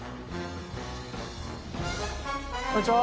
こんにちは。